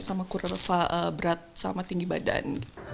sama kurva berat sama tinggi badan